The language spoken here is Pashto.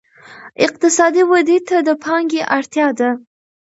اقتصادي ودې ته د پانګې اړتیا ده.